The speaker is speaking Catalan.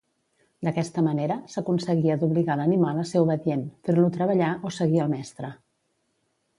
D'aquesta manera, s'aconseguia d'obligar l'animal a ser obedient, fer-lo treballar o seguir el mestre.